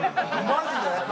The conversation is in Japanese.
マジで？